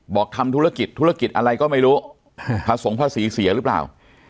ทำธุรกิจธุรกิจอะไรก็ไม่รู้ผสมภาษีเสียหรือเปล่า